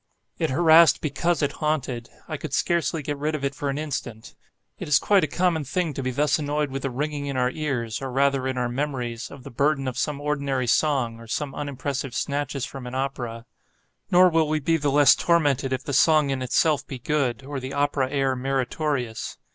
It harassed because it haunted. I could scarcely get rid of it for an instant. It is quite a common thing to be thus annoyed with the ringing in our ears, or rather in our memories, of the burthen of some ordinary song, or some unimpressive snatches from an opera. Nor will we be the less tormented if the song in itself be good, or the opera air meritorious.